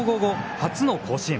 初の甲子園。